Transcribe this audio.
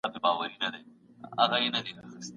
دولت د خصوصي سکتور ملاتړ کوي.